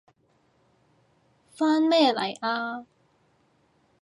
返咩嚟啊？